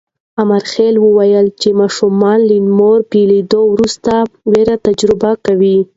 امرخېل وویل چې ماشومان له مور بېلېدو وروسته وېره تجربه کوي.